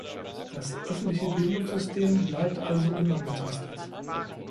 Das öffentliche Bildungssystem bleibt also unangetastet.